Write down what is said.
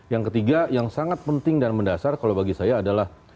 yang ketiga yang sangat penting dan mendasar kalau bagi saya adalah